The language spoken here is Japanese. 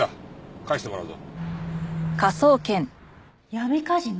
闇カジノ？